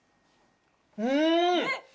うん！